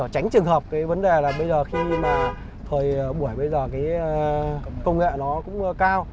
tránh trường hợp cái vấn đề là bây giờ khi mà thời buổi bây giờ cái công nghệ nó cũng cao